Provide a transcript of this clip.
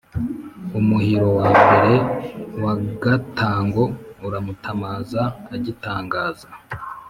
Umuhiro wa mbere w’agatango Uramutamaza agitangaza !